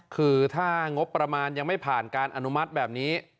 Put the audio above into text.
คือถ้างบประมาณยังไม่ผ่านการอนุมัติแบบนี้